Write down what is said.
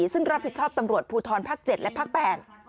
ซึ่งรับผิดชอบตำรวจภูทรภาค๗และภาค๘